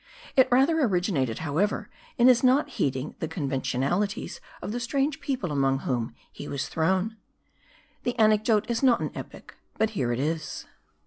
It rather originated, however, in his not heeding the conventionalities of the strange people among whom he was thrown. 286 MARDI. The anecdote is not an epic ; but here it is.